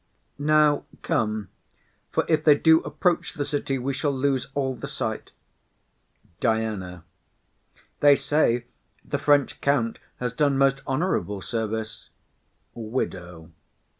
Nay, come; for if they do approach the city, we shall lose all the sight. DIANA. They say the French count has done most honourable service. WIDOW.